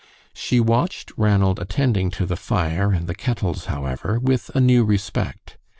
She watched Ranald attending to the fire and the kettles, however, with a new respect.